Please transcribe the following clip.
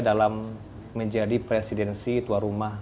dalam menjadi presidensi tuan rumah